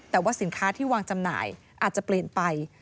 แต่ว่าสินค้าที่วางจำหน่ายอาจจะเปลี่ยนไป